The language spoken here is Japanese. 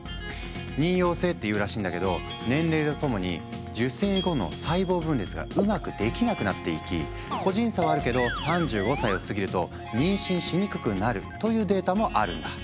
妊よう性っていうらしいんだけど年齢とともに受精後の細胞分裂がうまくできなくなっていき個人差はあるけど３５歳を過ぎると妊娠しにくくなるというデータもあるんだ。